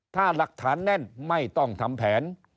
ถ้าหลักฐานแน่นไม่ต้องทำแผน